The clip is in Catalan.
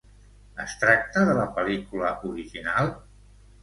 Es tracta de la pel·lícula original?